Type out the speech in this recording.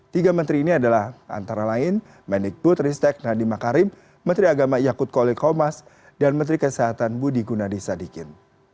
tiga menteri ini adalah antara lain mendikbut ristek nadima karim menteri agama yakut kolikomas dan menteri kesehatan budi gunadisadikin